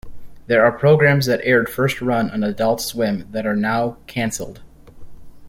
These are programs that aired first-run on Adult Swim that are now cancelled.